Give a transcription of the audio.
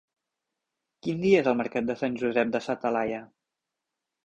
Quin dia és el mercat de Sant Josep de sa Talaia?